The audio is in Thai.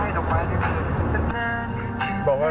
เปิดไฟขอทางออกมาแล้วอ่ะ